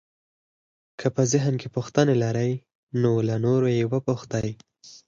که په ذهن کې پوښتنې لرئ نو له نورو یې وپوښته.